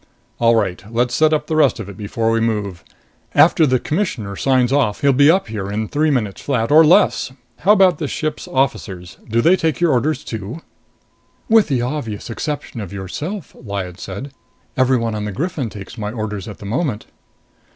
"All right. Let's set up the rest of it before we move. After the Commissioner signs off, he'll be up here in three minutes flat. Or less. How about this ship's officers do they take your orders too?" "With the obvious exception of yourself," Lyad said, "everyone on the Griffin takes my orders at the moment."